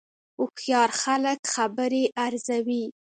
هوښیار خلک خبرې ارزوي